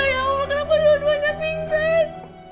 ya allah kenapa dua duanya pingsan